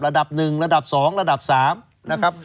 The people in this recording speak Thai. ระดับหนึ่งระดับสองระดับสามนะครับ